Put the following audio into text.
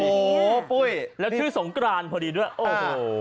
โอ้โหปุ้ยแล้วชื่อสงกรานพอดีด้วยโอ้โห